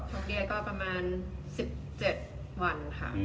ช่วงนี้ก็ประมาณ๑๗วันค่ะ